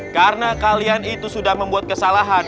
karena kalian itu sudah membuat kesalahan